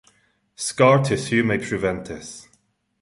Scar tissue may prevent this.